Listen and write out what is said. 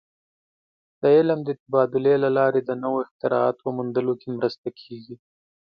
د علم د تبادلې له لارې د نوو اختراعاتو موندلو کې مرسته کېږي.